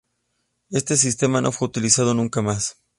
Este sistema no fue utilizado nunca más.